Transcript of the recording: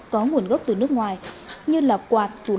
có nguồn gốc từ nước ngoài như là quạt thủ lượng